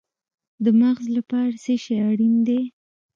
د مغز لپاره څه شی اړین دی؟